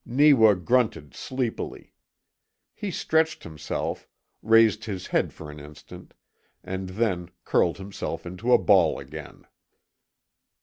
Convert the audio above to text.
Neewa grunted sleepily. He stretched himself, raised his head for an instant, and then curled himself into a ball again.